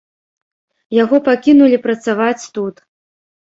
Яго пакінулі працаваць тут.